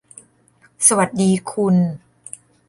สวัสดีคุณ